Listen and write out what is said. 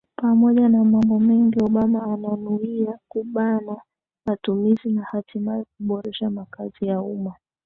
pamoja na mambo mengine obama ananuia kubana matumizi na hatimaye kuboresha makazi ya umma